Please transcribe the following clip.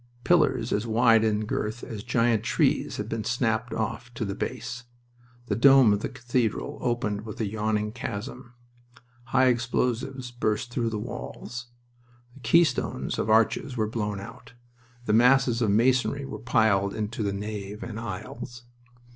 Pillars as wide in girth as giant trees had been snapped off to the base. The dome of the cathedral opened with a yawning chasm. High explosives burst through the walls. The keystones of arches were blown out, and masses of masonry were piled into the nave and aisles.